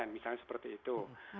misalnya seperti itu